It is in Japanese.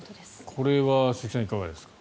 これは鈴木さんいかがですか？